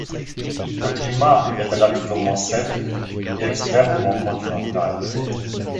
Le climat est relativement sec et extrêmement continental.